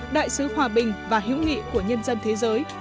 đại sứ hòa bình và hữu nghị của nhân dân thế giới